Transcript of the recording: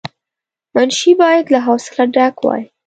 منشي باید له حوصله ډک وای.